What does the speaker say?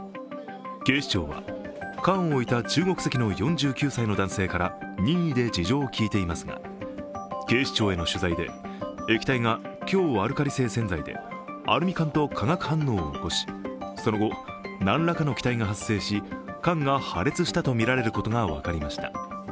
警視庁は缶を置いた中国籍の４９歳の男性から任意で事情を聞いていますが、警視庁への取材で液体が強アルカリ性洗剤でアルミ缶と化学反応を起こし、その後、何らかの気体が発生し缶が破裂したとみられることが分かりました。